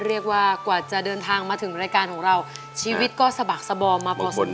เรียกว่ากว่าจะเดินทางมาถึงรายการของเราชีวิตก็สะบักสบอมมาพอสมควร